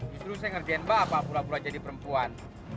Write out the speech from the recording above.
justru saya ngerjain bapak pula pula jadi perempuan